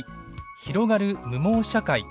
「広がる“無毛社会”！？